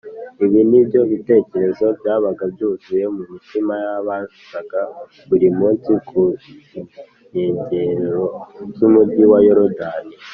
Ibi ni byo bitekerezo byabaga byuzuye mu mitima y’abazaga buri munsi ku nkengero z’umugezi wa Yorodani.